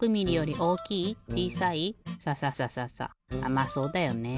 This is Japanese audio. まあそうだよね。